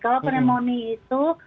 kalau pneumonia itu